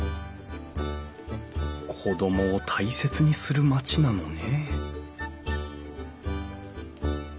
子供を大切にする町なのね